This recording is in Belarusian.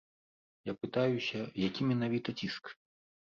Я пытаюся, які менавіта ціск.